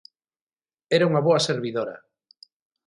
Era unha boa servidora!